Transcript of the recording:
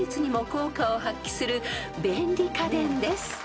効果を発揮する便利家電です］